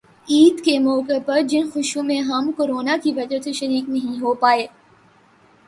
ید کے موقع پر جن خوشیوں میں ہم کرونا کی وجہ سے شریک نہیں ہو پائے